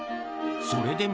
それでも。